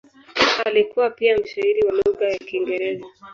Alikuwa pia mshairi wa lugha ya Kiingereza.